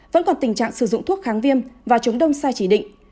vẫn còn tình trạng sử dụng thuốc kháng viêm và chống đông sai chỉ định